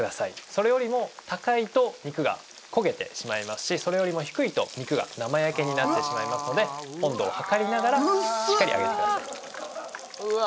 それよりも高いと肉が焦げてしまいますしそれよりも低いと肉が生焼けになってしまいますので温度をはかりながらしっかり揚げてくださいうわ